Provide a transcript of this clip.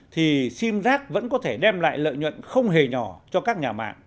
thì sim giác vẫn có thể đem lại lợi nhuận không hề nhỏ cho các nhà mạng